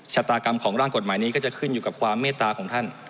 ชะตากรรมของร่างกฎหมายนี้ก็จะขึ้นอยู่กับความเมตตาของท่าน